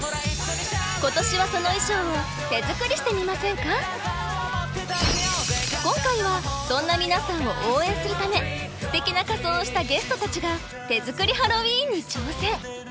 今年は今回はそんな皆さんを応援するためステキな仮装をしたゲストたちが手作りハロウィーンに挑戦！